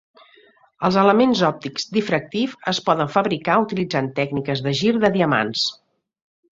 Els elements òptics diffractive es poden fabricar utilitzant tècniques de gir de diamants.